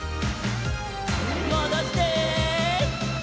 もどして。